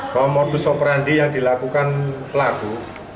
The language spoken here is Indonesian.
bahwa modus operandi yang dilakukan pelaku